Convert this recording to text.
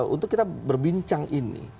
untuk kita berbincang ini